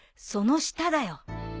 その下だよ。